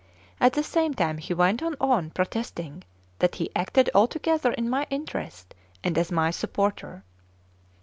At the same time he went on protesting that he acted altogether in my interest and as my supporter.